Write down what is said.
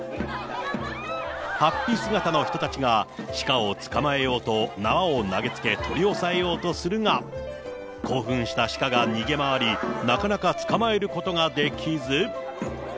はっぴ姿の人たちが鹿を捕まえようと縄を投げつけ取り押さえようとするが、興奮した鹿が逃げ回り、なかなか捕まえることができず。